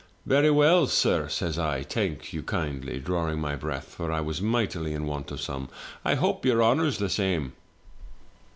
" 'Very well, sir,' says I, 'thank you kindly!' drawing my breath, for I was mightily in want of some. ' I hope your honour's the same?